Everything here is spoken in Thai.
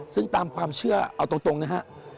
ซึ่งตามความเชื่อเอาตรงนะฮะ